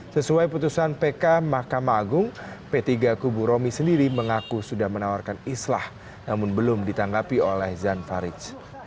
sesuai putusan pk mahkamah agung p tiga kubu romi sendiri mengaku sudah menawarkan islah namun belum ditanggapi oleh jan farid